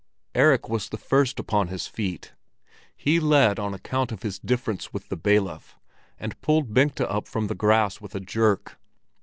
Erik was the first upon his feet. He led on account of his difference with the bailiff, and pulled Bengta up from the grass with a jerk.